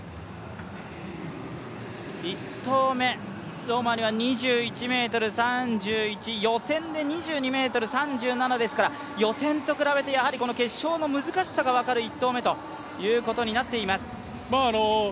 １投目、ロマニは２１ｍ３１、予選で２２ｍ３７ですから、予選と比べてやはり決勝の難しさが分かるということになっています。